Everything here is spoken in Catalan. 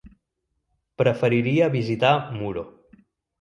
Preferiria visitar Muro.